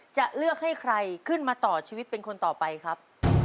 จะเลือกให้ใครขึ้นมาต่อชีวิตเป็นคนต่อไปครับ